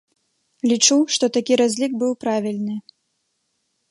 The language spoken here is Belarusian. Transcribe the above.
Лічу, што такі разлік быў правільны.